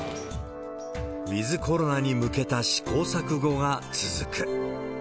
ウィズコロナに向けた試行錯誤が続く。